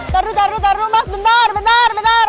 tardu tardu tardu mas bentar bentar bentar